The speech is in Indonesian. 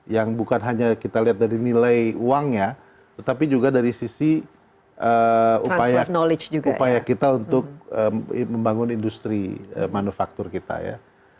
yang bukan hanya kita lihat dari nilai uangnya tetapi juga dari sisi upaya kita untuk membangun industri manufaktur kita ya